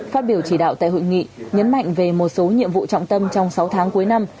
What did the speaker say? phát biểu chỉ đạo tại hội nghị nhấn mạnh về một số nhiệm vụ trọng tâm trong sáu tháng cuối năm